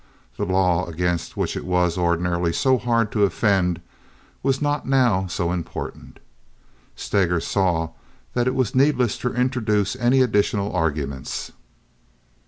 The law against which it was ordinarily so hard to offend was not now so important. Steger saw that it was needless to introduce any additional arguments.